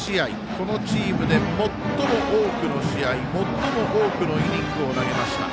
このチームで最も多くの試合最も多くのイニングを投げました。